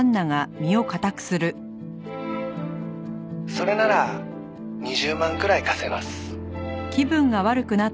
「それなら２０万くらい貸せます」